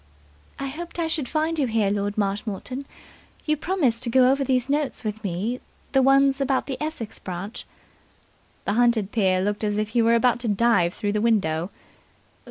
"I hoped I should find you here, Lord Marshmoreton. You promised to go over these notes with me, the ones about the Essex branch " The hunted peer looked as if he were about to dive through the window.